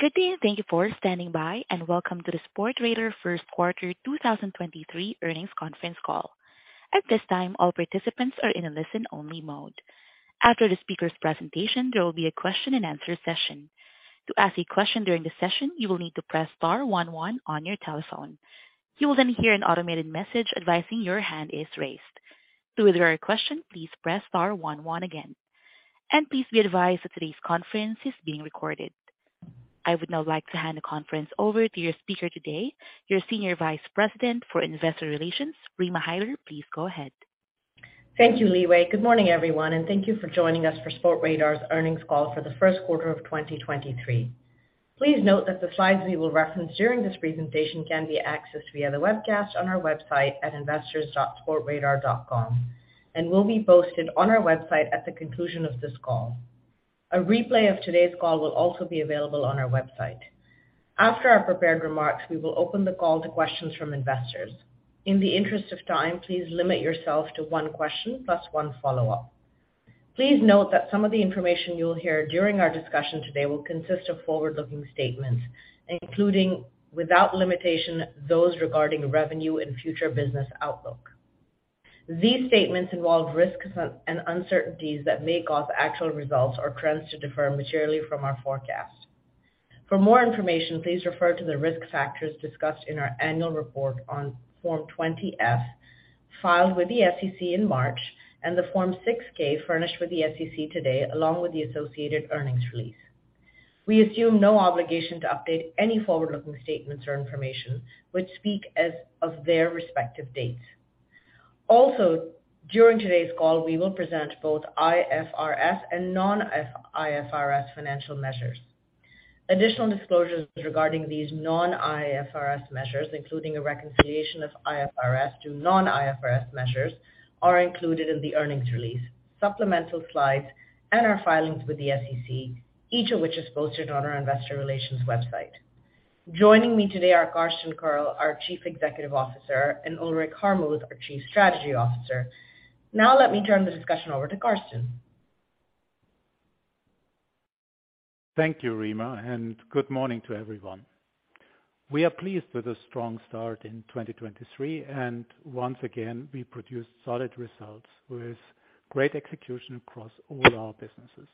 Good day. Thank you for standing by. Welcome to the Sportradar First Quarter 2023 Earnings Conference call. At this time, all participants are in a listen-only mode. After the speaker's presentation, there will be a question and answer session. To ask a question during the session, you will need to press star one, one on your telephone. You will hear an automated message advising your hand is raised. To withdraw your question, please press star one, one again. Please be advised that today's conference is being recorded. I would now like to hand the conference over to your speaker today, your Senior Vice President for Investor Relations, Rima Hyder. Please go ahead. Thank you, Leeway. Good morning, everyone, and thank you for joining us for Sportradar's earnings call for the first quarter of 2023. Please note that the slides we will reference during this presentation can be accessed via the webcast on our website at investors.sportradar.com and will be posted on our website at the conclusion of this call. A replay of today's call will also be available on our website. After our prepared remarks, we will open the call to questions from investors. In the interest of time, please limit yourself to one question plus one follow-up. Please note that some of the information you'll hear during our discussion today will consist of forward-looking statements, including without limitation those regarding revenue and future business outlook. These statements involve risks and uncertainties that make off actual results or trends to differ materially from our forecast. For more information, please refer to the risk factors discussed in our annual report on Form 20-F filed with the SEC in March and the Form 6-K furnished with the SEC today, along with the associated earnings release. We assume no obligation to update any forward-looking statements or information which speak as of their respective dates. During today's call, we will present both IFRS and non-IFRS financial measures. Additional disclosures regarding these non-IFRS measures, including a reconciliation of IFRS to non-IFRS measures, are included in the earnings release, supplemental slides, and our filings with the SEC, each of which is posted on our investor relations website. Joining me today are Carsten Koerl, our Chief Executive Officer, and Ulrich Harmuth, our Chief Strategy Officer. Let me turn the discussion over to Carsten. Thank you, Rima, and good morning to everyone. We are pleased with a strong start in 2023, and once again, we produced solid results with great execution across all our businesses.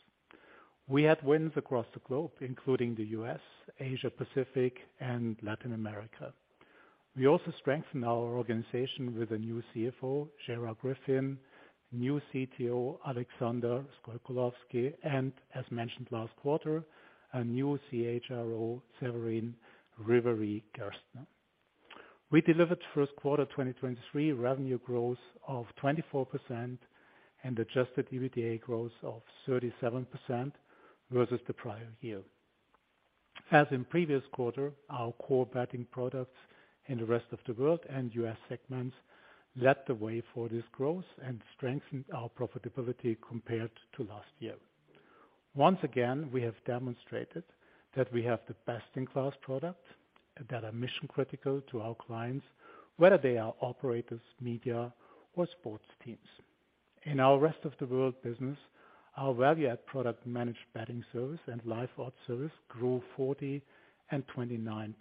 We had wins across the globe, including the U.S., Asia Pacific, and Latin America. We also strengthened our organization with a new CFO, Gerard Griffin, new CTO, Aleksandr Sokolovskii, and as mentioned last quarter, a new CHRO, Severine Riviere-Gerstner. We delivered first quarter 2023 revenue growth of 24% and Adjusted EBITDA growth of 37% versus the prior year. As in previous quarter, our core betting products in the Rest of World and U.S. segments led the way for this growth and strengthened our profitability compared to last year. Once again, we have demonstrated that we have the best-in-class product that are mission-critical to our clients, whether they are operators, media or sports teams. In our Rest of World Betting business, our value-add product Managed Betting Services and Live Odds service grew 40% and 29%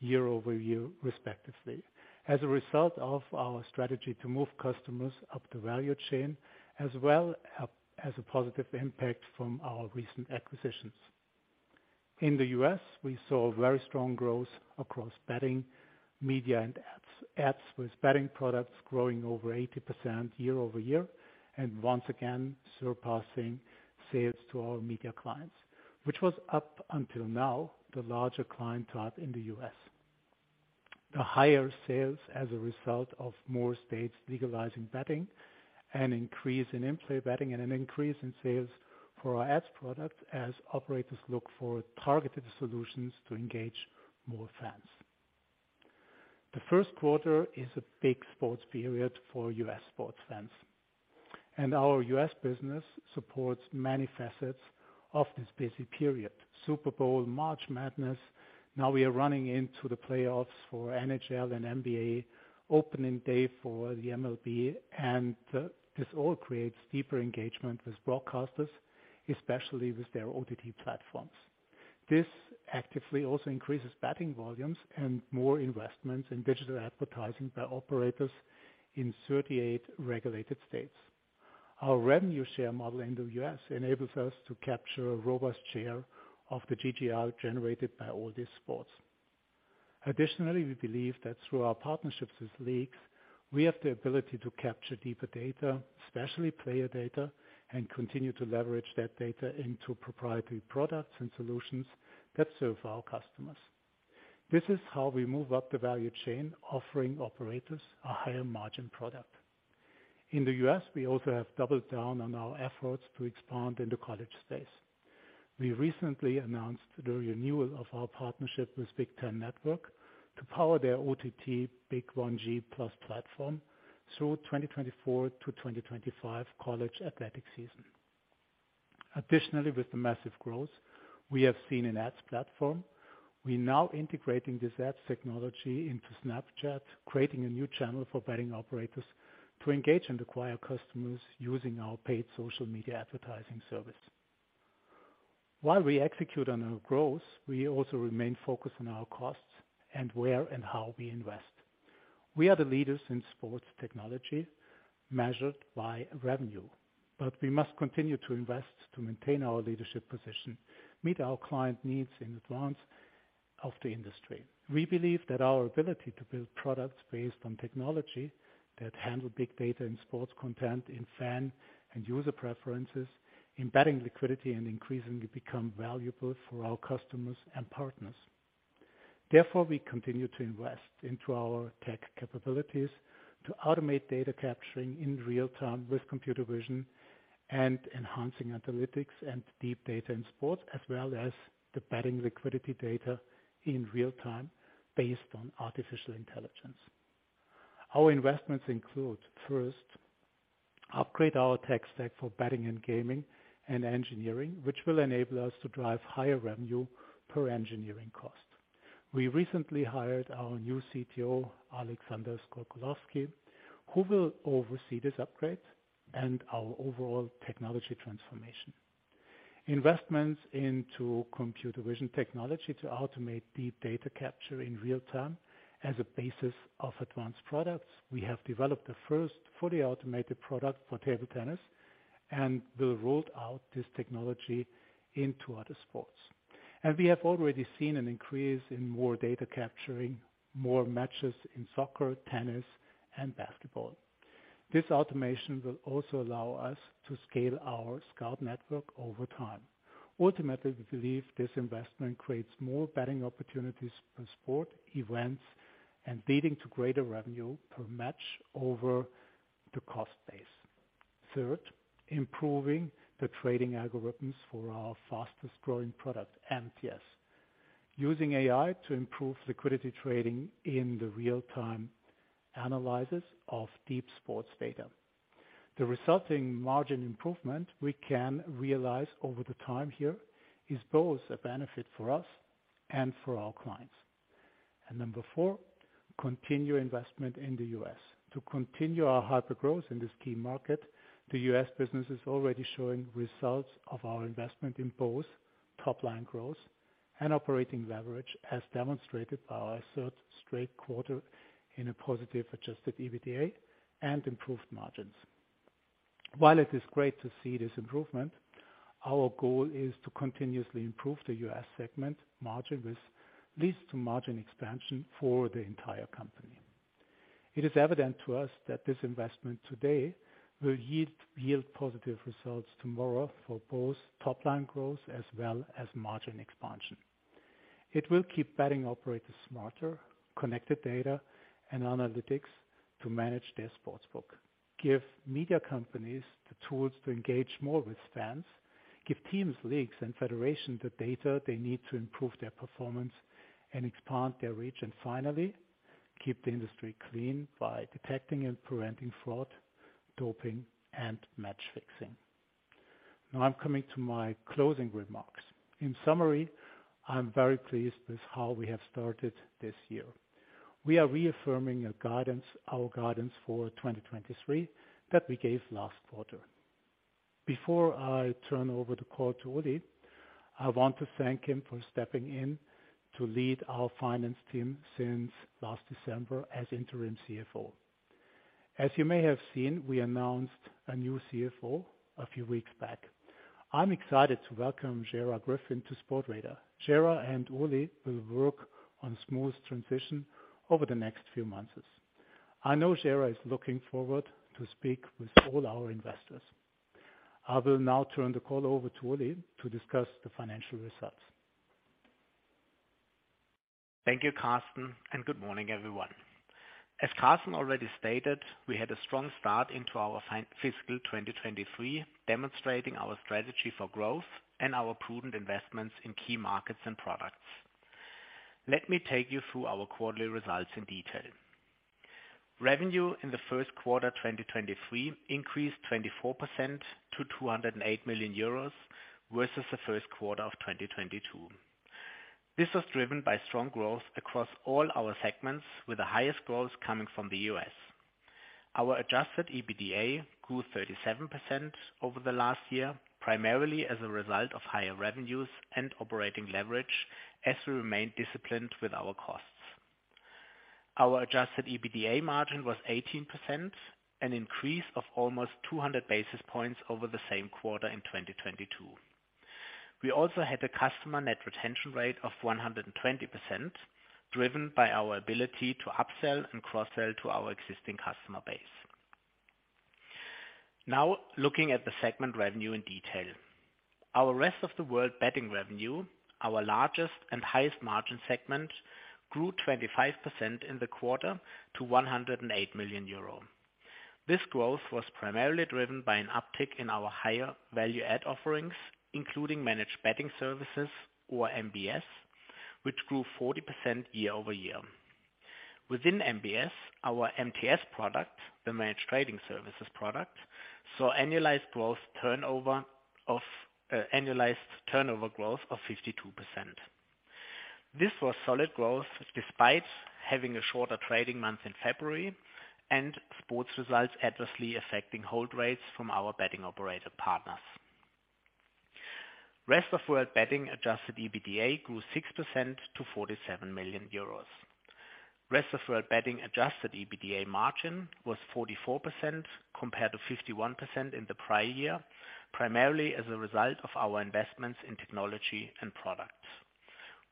year-over-year, respectively. As a result of our strategy to move customers up the value chain, as well as a positive impact from our recent acquisitions. In the U.S., we saw very strong growth across betting, media and ad:s with betting products growing over 80% year-over-year and once again surpassing sales to our media clients, which was up until now the larger client type in the U.S. The higher sales as a result of more states legalizing betting, an increase in in-play betting and an increase in sales for our ad:s product as operators look for targeted solutions to engage more fans. The first quarter is a big sports period for U.S. sports fans, and our U.S. business supports many facets of this busy period. Super Bowl, March Madness, now we are running into the playoffs for NHL and NBA, opening day for the MLB, and this all creates deeper engagement with broadcasters, especially with their OTT platforms. This actively also increases betting volumes and more investments in digital advertising by operators in 38 regulated states. Our revenue share model in the US enables us to capture a robust share of the GGR generated by all these sports. We believe that through our partnerships with leagues, we have the ability to capture deeper data, especially player data, and continue to leverage that data into proprietary products and solutions that serve our customers. This is how we move up the value chain, offering operators a higher margin product. In the U.S., we also have doubled down on our efforts to expand in the college space. We recently announced the renewal of our partnership with Big Ten Network to power their OTT B1G+ platform through 2024 to 2025 college athletic season. Additionally, with the massive growth we have seen in ad:s platform. We now integrating this ad:s technology into Snapchat, creating a new channel for betting operators to engage and acquire customers using our paid social. While we execute on our growth, we also remain focused on our costs and where and how we invest. We are the leaders in sports technology measured by revenue, but we must continue to invest to maintain our leadership position, meet our client needs in advance of the industry. We believe that our ability to build products based on technology that handle big data in sports content, in fan and user preferences, in betting liquidity and increasingly become valuable for our customers and partners. We continue to invest into our tech capabilities to automate data capturing in real time with Computer Vision and enhancing analytics and deep data in sports, as well as the betting liquidity data in real time based on artificial intelligence. Our investments include, first, upgrade our tech stack for betting and gaming and engineering, which will enable us to drive higher revenue per engineering cost. We recently hired our new CTO, Aleksandr Sokolovskii, who will oversee this upgrade and our overall technology transformation. Investments into Computer Vision technology to automate deep data capture in real time as a basis of advanced products. We have developed the first fully automated product for table tennis. We rolled out this technology into other sports. We have already seen an increase in more data capturing, more matches in soccer, tennis, and basketball. This automation will also allow us to scale our scout network over time. Ultimately, we believe this investment creates more betting opportunities for sport events and leading to greater revenue per match over the cost base. Third, improving the trading algorithms for our fastest-growing product, MTS, using AI to improve liquidity trading in the real-time analysis of deep sports data. The resulting margin improvement we can realize over the time here is both a benefit for us and for our clients. Number four, continue investment in the U.S. To continue our hypergrowth in this key market, the U.S. business is already showing results of our investment in both top-line growth and operating leverage, as demonstrated by our third straight quarter in a positive Adjusted EBITDA and improved margins. While it is great to see this improvement, our goal is to continuously improve the U.S. segment margin, which leads to margin expansion for the entire company. It is evident to us that this investment today will yield positive results tomorrow for both top-line growth as well as margin expansion. It will keep betting operators smarter, connected data and analytics to manage their sportsbook, give media companies the tools to engage more with fans, give teams, leagues and federation the data they need to improve their performance and expand their reach. Finally, keep the industry clean by detecting and preventing fraud, doping and match fixing. Now I'm coming to my closing remarks. In summary, I'm very pleased with how we have started this year. We are reaffirming our guidance for 2023 that we gave last quarter. Before I turn over the call to Uli, I want to thank him for stepping in to lead our finance team since last December as interim CFO. As you may have seen, we announced a new CFO a few weeks back. I'm excited to welcome Gerard Griffin to Sportradar. Gerard and Uli will work on smooth transition over the next few months. I know Gerard is looking forward to speak with all our investors. I will now turn the call over to Uli to discuss the financial results. Thank you, Carsten. Good morning, everyone. As Carsten already stated, we had a strong start into our fiscal 2023, demonstrating our strategy for growth and our prudent investments in key markets and products. Let me take you through our quarterly results in detail. Revenue in the first quarter 2023 increased 24% to 208 million euros versus the first quarter of 2022. This was driven by strong growth across all our segments, with the highest growth coming from the U.S.. Our Adjusted EBITDA grew 37% over the last year, primarily as a result of higher revenues and operating leverage as we remain disciplined with our costs. Our Adjusted EBITDA margin was 18%, an increase of almost 200 basis points over the same quarter in 2022. We also had a Customer Net Retention Rate of 120%, driven by our ability to upsell and cross-sell to our existing customer base. Looking at the segment revenue in detail. Our Rest of World Betting revenue, our largest and highest margin segment, grew 25% in the quarter to 108 million euro. This growth was primarily driven by an uptick in our higher value add offerings, including Managed Betting Services or MBS, which grew 40% year-over-year. Within MBS, our MTS product, the Managed Trading Services product, saw annualized turnover growth of 52%. This was solid growth despite having a shorter trading month in February and sports results adversely affecting hold rates from our betting operator partners. Rest of World Betting Adjusted EBITDA grew 6% to 47 million euros. Rest of World Betting Adjusted EBITDA margin was 44% compared to 51% in the prior year, primarily as a result of our investments in technology and products.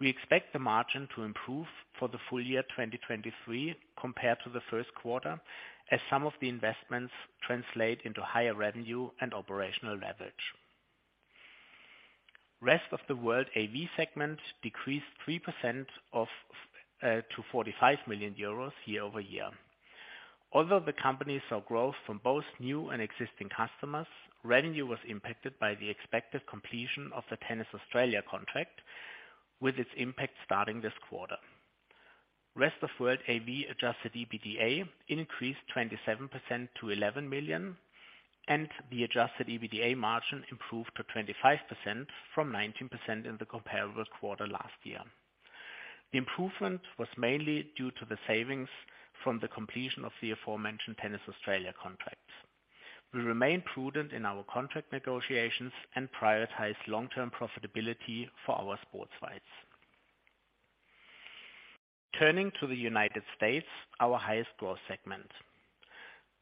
We expect the margin to improve for the full year 2023 compared to the first quarter as some of the investments translate into higher revenue and operational leverage. Rest of World AV segment decreased 3% to 45 million euros year-over-year. Although the company saw growth from both new and existing customers, revenue was impacted by the expected completion of the Tennis Australia contract, with its impact starting this quarter. Rest of World AV Adjusted EBITDA increased 27% to 11 million, and the Adjusted EBITDA margin improved to 25% from 19% in the comparable quarter last year. The improvement was mainly due to the savings from the completion of the aforementioned Tennis Australia contract. We remain prudent in our contract negotiations and prioritize long-term profitability for our sports rights. Turning to the United States, our highest growth segment.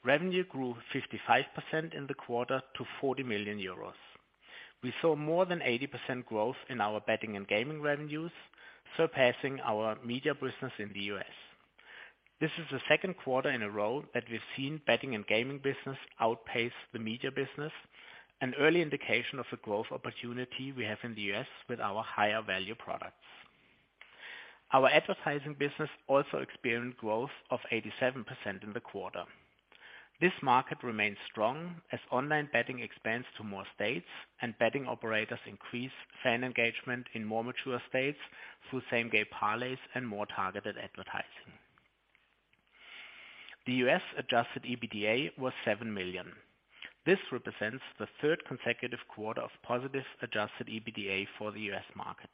Revenue grew 55% in the quarter to 40 million euros. We saw more than 80% growth in our betting and gaming revenues, surpassing our media business in the US. This is the second quarter in a row that we've seen betting and gaming business outpace the media business, an early indication of the growth opportunity we have in the US with our higher value products. Our advertising business also experienced growth of 87% in the quarter. This market remains strong as online betting expands to more states and betting operators increase fan engagement in more mature states through same-game parlays and more targeted advertising. The U.S. Adjusted EBITDA was $7 million. This represents the third consecutive quarter of positive Adjusted EBITDA for the U.S. market.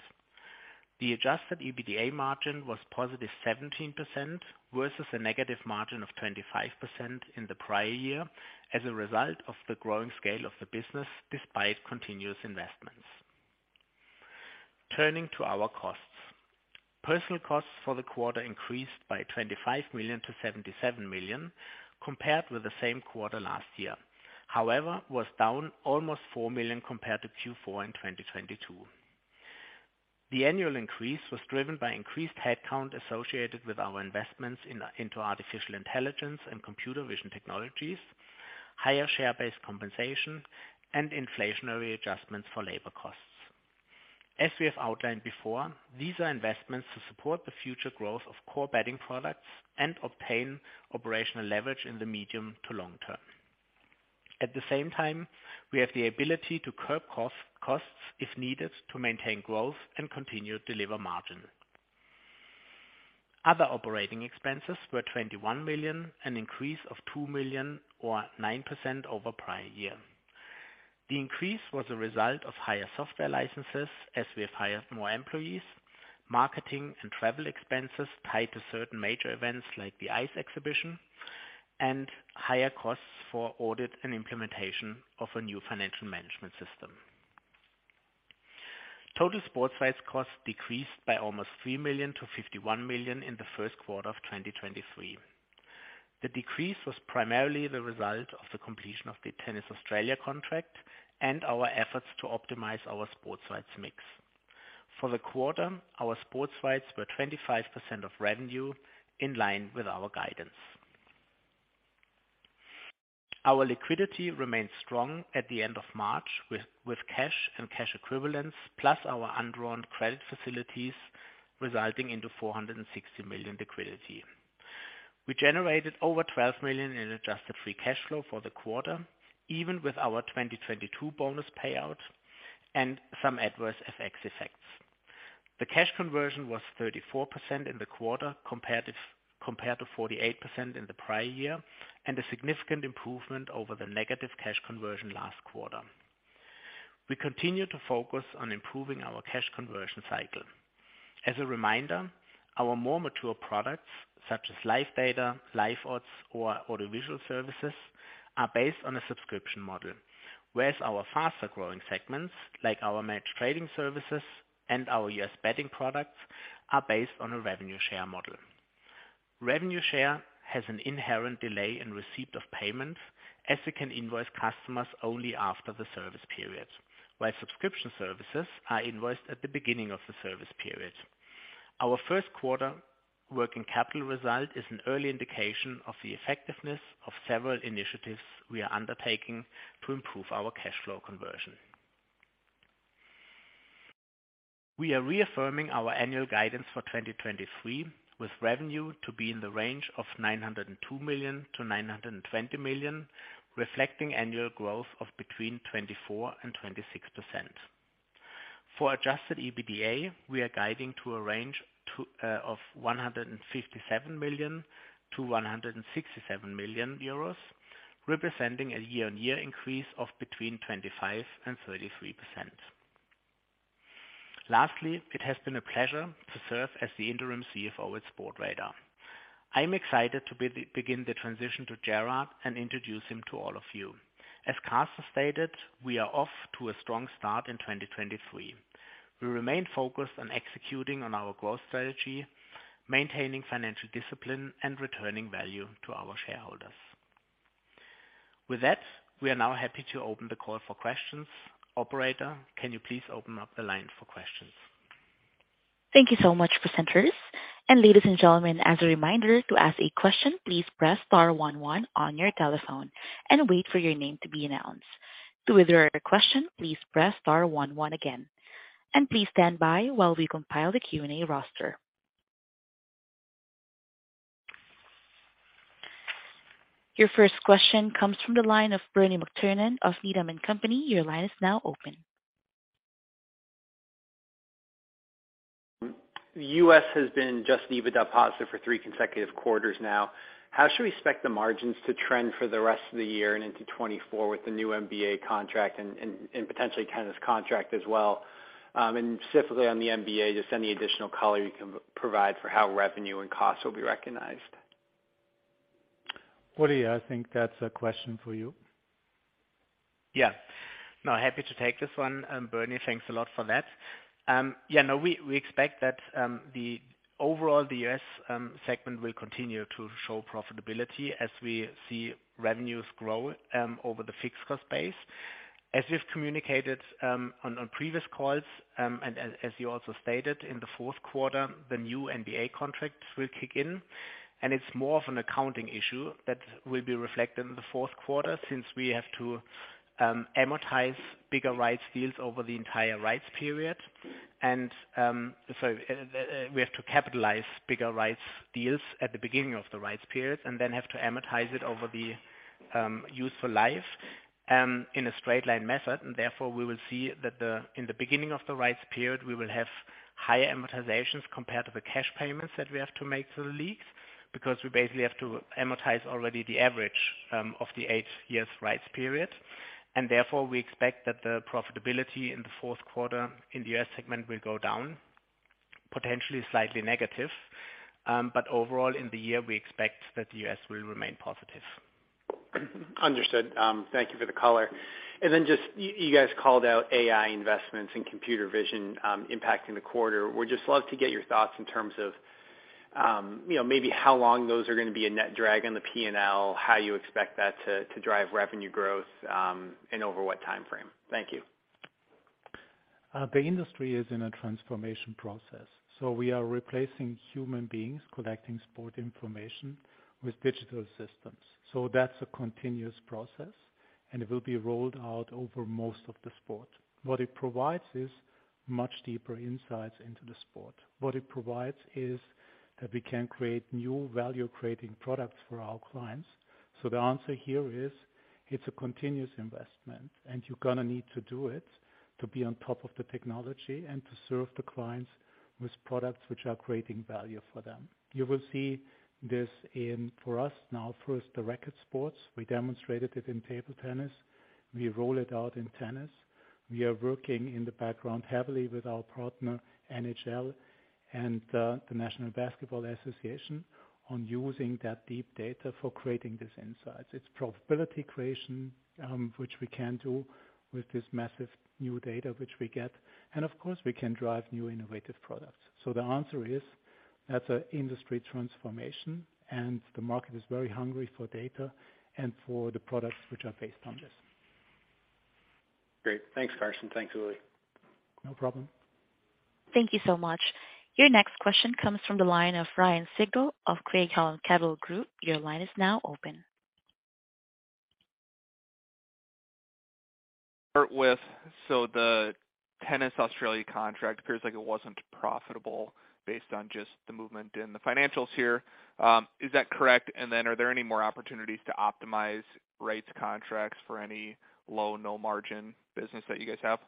The Adjusted EBITDA margin was positive 17% versus a negative margin of 25% in the prior year as a result of the growing scale of the business despite continuous investments. Turning to our costs. Personnel costs for the quarter increased by 25 million to 77 million compared with the same quarter last year, however, was down almost 4 million compared to Q4 in 2022. The annual increase was driven by increased headcount associated with our investments into artificial intelligence and Computer Vision technologies, higher share-based compensation, and inflationary adjustments for labor costs. As we have outlined before, these are investments to support the future growth of core betting products and obtain operational leverage in the medium to long term. At the same time, we have the ability to curb costs if needed to maintain growth and continue to deliver margin. Other operating expenses were 21 million, an increase of 2 million or 9% over prior year. The increase was a result of higher software licenses as we have hired more employees, marketing and travel expenses tied to certain major events like the ICE, and higher costs for audit and implementation of a new financial management system. Total sports rights costs decreased by almost 3 million to 51 million in the first quarter of 2023. The decrease was primarily the result of the completion of the Tennis Australia contract and our efforts to optimize our sports rights mix. For the quarter, our sports rights were 25% of revenue in line with our guidance. Our liquidity remains strong at the end of March with cash and cash equivalents plus our undrawn credit facilities resulting into 460 million liquidity. We generated over 12 million in adjusted free cash flow for the quarter, even with our 2022 bonus payout and some adverse FX effects. The cash conversion was 34% in the quarter compared to 48% in the prior year, and a significant improvement over the negative cash conversion last quarter. We continue to focus on improving our cash conversion cycle. As a reminder, our more mature products, such as live data, Live Odds, or audiovisual services, are based on a subscription model, whereas our faster-growing segments, like our Managed Trading Services and our US betting products, are based on a revenue share model. Revenue share has an inherent delay in receipt of payments as we can invoice customers only after the service period, while subscription services are invoiced at the beginning of the service period. Our first quarter working capital result is an early indication of the effectiveness of several initiatives we are undertaking to improve our cash flow conversion. We are reaffirming our annual guidance for 2023, with revenue to be in the range of 902 million-920 million, reflecting annual growth of between 24% and 26%. For Adjusted EBITDA, we are guiding to a range of 157 million-167 million euros, representing a year-on-year increase of between 25% and 33%. Lastly, it has been a pleasure to serve as the interim CFO at Sportradar. I'm excited to begin the transition to Gerard and introduce him to all of you. As Carsten stated, we are off to a strong start in 2023. We remain focused on executing on our growth strategy, maintaining financial discipline, and returning value to our shareholders. We are now happy to open the call for questions. Operator, can you please open up the line for questions? Thank you so much, presenters. Ladies and gentlemen, as a reminder, to ask a question, please press star one one on your telephone and wait for your name to be announced. To withdraw your question, please press star one one again, and please stand by while we compile the Q&A roster. Your first question comes from the line of Bernie McTernan of Needham & Company. Your line is now open. The US has been just EBITDA positive for three consecutive quarters now. How should we expect the margins to trend for the rest of the year and into 2024 with the new NBA contract and potentially tennis contract as well? Specifically on the NBA, just any additional color you can provide for how revenue and costs will be recognized? Uli, I think that's a question for you. Yeah. No, happy to take this one. Bernie, thanks a lot for that. Yeah, no, we expect that the overall the U.S. segment will continue to show profitability as we see revenues grow over the fixed cost base. As we've communicated on previous calls, as you also stated in the fourth quarter, the new NBA contracts will kick in, and it's more of an accounting issue that will be reflected in the fourth quarter since we have to amortize bigger rights deals over the entire rights period. So we have to capitalize bigger rights deals at the beginning of the rights period and then have to amortize it over the useful life in a straight line method. Therefore, we will see that the, in the beginning of the rights period, we will have higher amortizations compared to the cash payments that we have to make to the leagues because we basically have to amortize already the average of the eight years' rights period. Therefore, we expect that the profitability in the fourth quarter in the U.S. segment will go down, potentially slightly negative. Overall in the year, we expect that the U.S. will remain positive. Understood. Thank you for the color. Just you guys called out AI investments and Computer Vision impacting the quarter. Would just love to get your thoughts in terms of, you know, maybe how long those are gonna be a net drag on the P&L, how you expect that to drive revenue growth, and over what timeframe? Thank you. The industry is in a transformation process. We are replacing human beings collecting sport information with digital systems. That's a continuous process, and it will be rolled out over most of the sport. What it provides is much deeper insights into the sport. What it provides is that we can create new value-creating products for our clients. The answer here is it's a continuous investment, and you're gonna need to do it to be on top of the technology and to serve the clients with products which are creating value for them. You will see this in, for us now, first the record sports. We demonstrated it in table tennis. We roll it out in tennis. We are working in the background heavily with our partner, NHL and the National Basketball Association, on using that deep data for creating these insights. It's profitability creation, which we can do with this massive new data which we get, and of course, we can drive new innovative products. The answer is that's an industry transformation, the market is very hungry for data and for the products which are based on this. Great. Thanks, Carsten. Thanks, Uli. No problem. Thank you so much. Your next question comes from the line of Ryan Sigdahl of Craig-Hallum Capital Group. Your line is now open. Start with, the Tennis Australia contract appears like it wasn't profitable based on just the movement in the financials here. Is that correct? Then are there any more opportunities to optimize rights contracts for any low or no margin business that you guys have?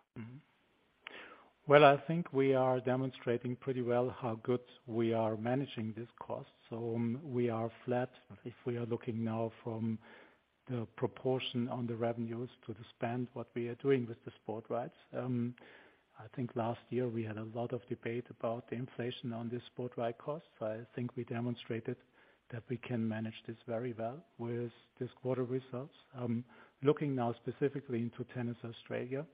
Well, I think we are demonstrating pretty well how good we are managing this cost. We are flat if we are looking now from the proportion on the revenues to the spend, what we are doing with the sport rights. I think last year we had a lot of debate about the inflation on the sport right cost. I think we demonstrated that we can manage this very well with this quarter results. Looking now specifically into Tennis Australia,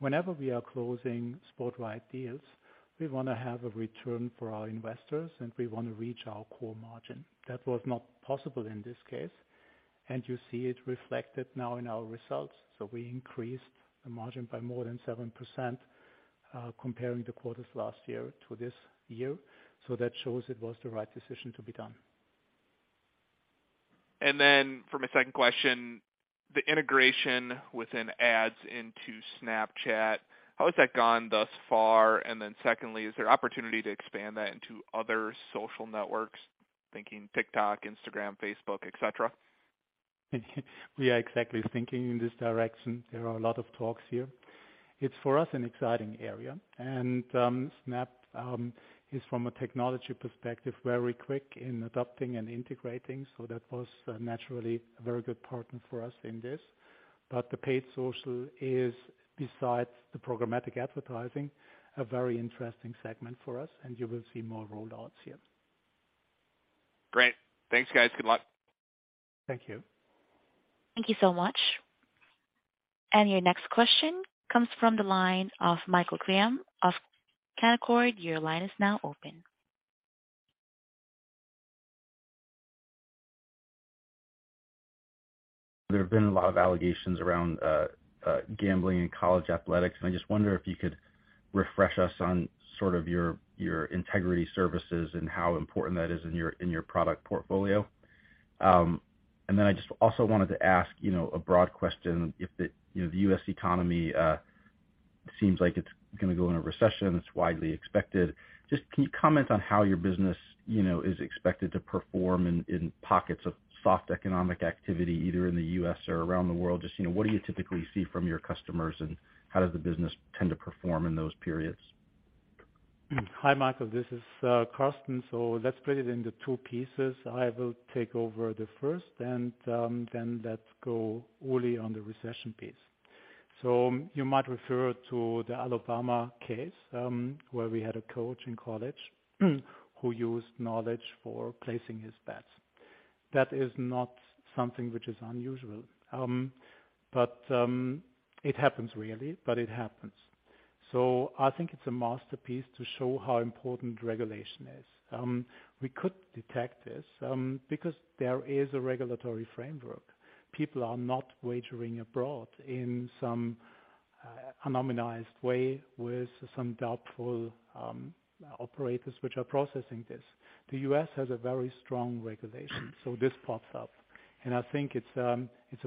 whenever we are closing sport right deals, we wanna have a return for our investors, and we wanna reach our core margin. That was not possible in this case, and you see it reflected now in our results. We increased the margin by more than 7%, comparing the quarters last year to this year. That shows it was the right decision to be done. For my second question, the integration within ad:s into Snapchat, how has that gone thus far? Secondly, is there opportunity to expand that into other social networks? Thinking TikTok, Instagram, Facebook, et cetera. We are exactly thinking in this direction. There are a lot of talks here. It's for us, an exciting area. Snap is from a technology perspective, very quick in adopting and integrating, so that was naturally a very good partner for us in this. The paid social is, besides the programmatic advertising, a very interesting segment for us, and you will see more rollouts here. Great. Thanks, guys. Good luck. Thank you. Thank you so much. Your next question comes from the line of Michael Graham of Canaccord. Your line is now open. There have been a lot of allegations around gambling in college athletics, and I just wonder if you could refresh us on sort of your integrity services and how important that is in your, in your product portfolio. I just also wanted to ask, you know, a broad question, if the, you know, the U.S. economy seems like it's gonna go in a recession, it's widely expected. Can you comment on how your business, you know, is expected to perform in pockets of soft economic activity, either in the U.S. or around the world? What do you typically see from your customers, and how does the business tend to perform in those periods? Hi, Michael. This is Carsten. Let's split it into two pieces. I will take over the first and then let's go Uli on the recession piece. You might refer to the Alabama case, where we had a coach in college who used knowledge for placing his bets. That is not something which is unusual. But it happens, really, but it happens. I think it's a masterpiece to show how important regulation is. We could detect this because there is a regulatory framework. People are not wagering abroad in some anonymized way with some doubtful operators which are processing this. The US has a very strong regulation, so this pops up. I think it's a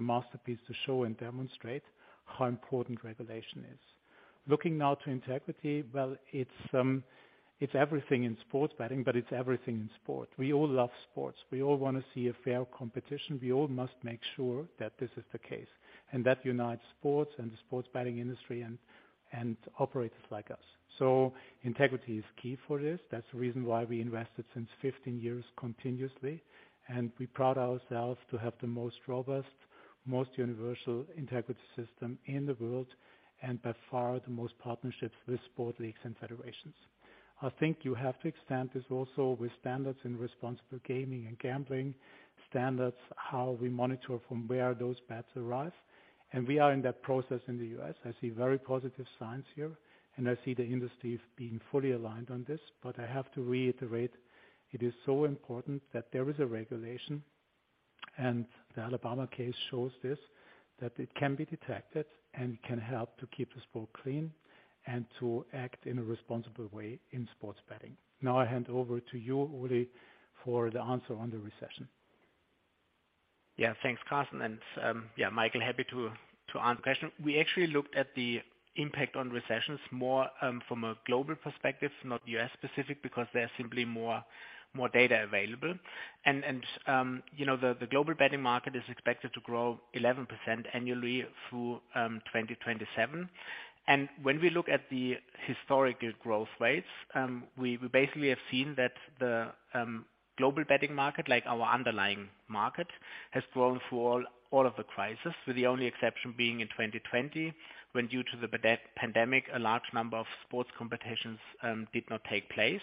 masterpiece to show and demonstrate how important regulation is. Looking now to integrity, well, it's everything in sports betting, but it's everything in sport. We all love sports. We all wanna see a fair competition. We all must make sure that this is the case, and that unites sports and the sports betting industry and operators like us. Integrity is key for this. That's the reason why we invested since 15 years continuously, and we proud ourselves to have the most robust, most universal integrity system in the world, and by far the most partnerships with sport leagues and federations. I think you have to extend this also with standards in responsible gaming and gambling, standards how we monitor from where those bets arrive. We are in that process in the U.S. I see very positive signs here, and I see the industry being fully aligned on this. I have to reiterate, it is so important that there is a regulation, and the Alabama case shows this, that it can be detected and can help to keep the sport clean and to act in a responsible way in sports betting. I hand over to you, Uli, for the answer on the recession. Yeah. Thanks, Carsten. Yeah, Michael, happy to answer your question. We actually looked at the impact on recessions more, from a global perspective, not U.S.-specific, because there are simply more data available. You know, the global betting market is expected to grow 11% annually through 2027. When we look at the historical growth rates, we basically have seen that the global betting market, like our underlying market, has grown through all of the crisis, with the only exception being in 2020, when due to the pandemic, a large number of sports competitions did not take place.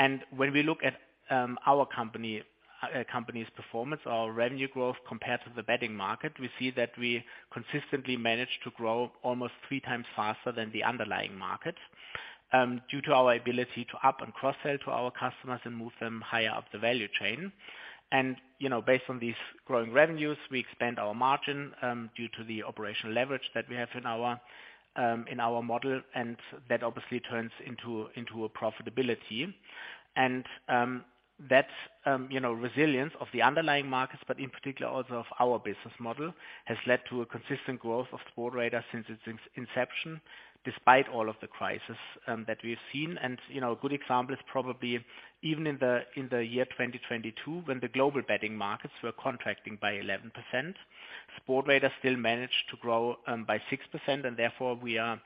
When we look at our company's performance, our revenue growth compared to the betting market, we see that we consistently managed to grow almost three times faster than the underlying market due to our ability to up and cross-sell to our customers and move them higher up the value chain. You know, based on these growing revenues, we expand our margin due to the operational leverage that we have in our model, and that obviously turns into a profitability. That, you know, resilience of the underlying markets, but in particular also of our business model, has led to a consistent growth of Sportradar since its inception, despite all of the crisis that we've seen. You know, a good example is probably even in the year 2022, when the global betting markets were contracting by 11%, Sportradar still managed to grow by 6%, and therefore we are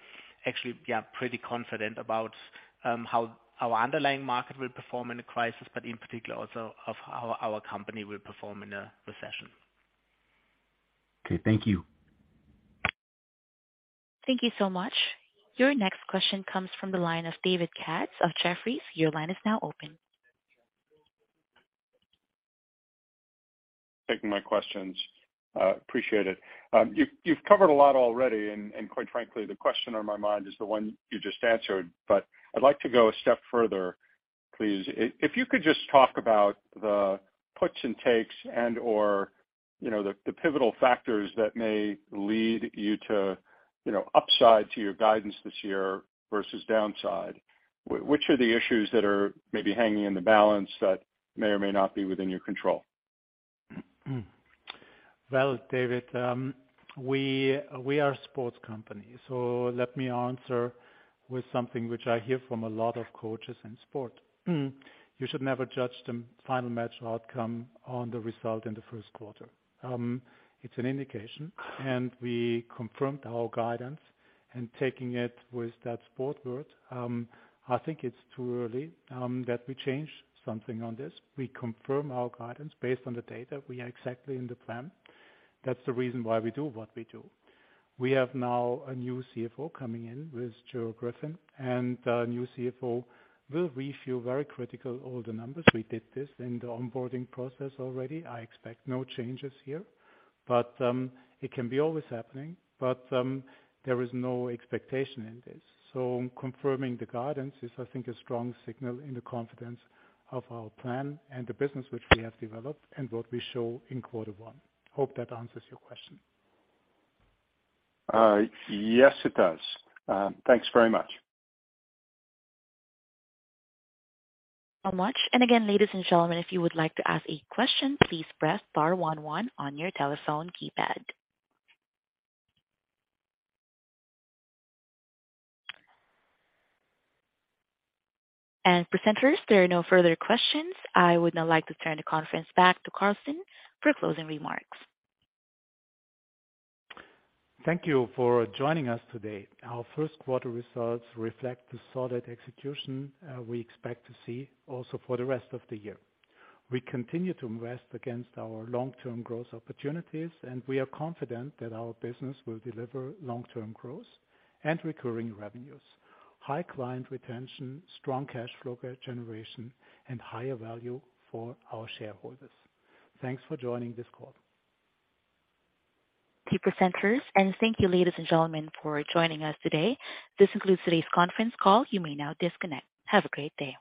actually, yeah, pretty confident about how our underlying market will perform in a crisis, but in particular also of how our company will perform in a recession. Okay, thank you. Thank you so much. Your next question comes from the line of David Katz of Jefferies. Your line is now open. Taking my questions. Appreciate it. You've covered a lot already, and quite frankly, the question on my mind is the one you just answered. I'd like to go a step further, please. If you could just talk about the puts and takes and/or, you know, the pivotal factors that may lead you to, you know, upside to your guidance this year versus downside. Which are the issues that are maybe hanging in the balance that may or may not be within your control? Well, David, we are a sports company, so let me answer with something which I hear from a lot of coaches in sport. You should never judge the final match outcome on the result in the first quarter. It's an indication, and we confirmed our guidance and taking it with that sport word. I think it's too early that we change something on this. We confirm our guidance based on the data. We are exactly in the plan. That's the reason why we do what we do. We have now a new CFO coming in with Gerard Griffin. A new CFO will review very critical all the numbers. We did this in the onboarding process already. I expect no changes here, it can be always happening. There is no expectation in this. Confirming the guidance is, I think, a strong signal in the confidence of our plan and the business which we have developed and what we show in Q1. Hope that answers your question. Yes, it does. Thanks very much. So much. Again, ladies and gentlemen, if you would like to ask a question, please press star one, one on your telephone keypad. Presenters, there are no further questions. I would now like to turn the conference back to Carsten for closing remarks. Thank you for joining us today. Our first quarter results reflect the solid execution, we expect to see also for the rest of the year. We continue to invest against our long-term growth opportunities. We are confident that our business will deliver long-term growth and recurring revenues, high client retention, strong cash flow generation, and higher value for our shareholders. Thanks for joining this call. Thank you, presenters, and thank you, ladies and gentlemen, for joining us today. This concludes today's conference call. You may now disconnect. Have a great day.